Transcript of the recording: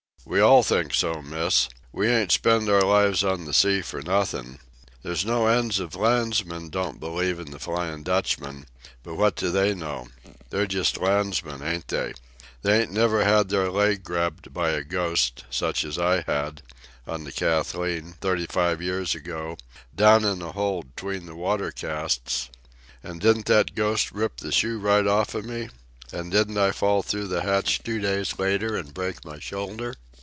"We all think so, Miss. We ain't spent our lives on the sea for nothin'. There's no end of landsmen don't believe in the Flyin' Dutchman. But what do they know? They're just landsmen, ain't they? They ain't never had their leg grabbed by a ghost, such as I had, on the Kathleen, thirty five years ago, down in the hole 'tween the water casks. An' didn't that ghost rip the shoe right off of me? An' didn't I fall through the hatch two days later an' break my shoulder?"